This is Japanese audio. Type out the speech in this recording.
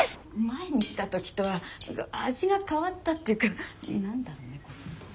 前に来た時とは味が変わったっていうか何だろうねこれ。